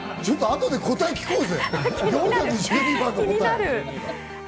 後で答え聞こうぜ。